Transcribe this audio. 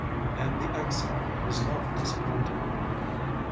And the exile was not disappointed.